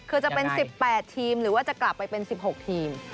คือจะเป็น๑๘ทีมหรือว่าจะกลับไปเป็น๑๖ทีม